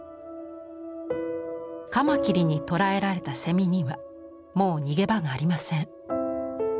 カマキリに捕らえられたセミにはもう逃げ場がありません。